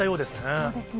そうですね。